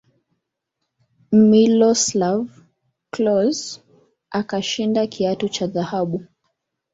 miloslav klose akashinda kiatu cha dhahabu